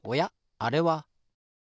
あれは。